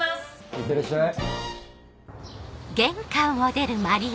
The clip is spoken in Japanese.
いってらっしゃい。